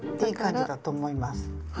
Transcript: いい感じだと思います。